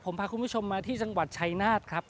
ผมพาคุณผู้ชมมาที่จังหวัดชัยนาธครับ